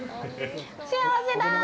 幸せだぁ！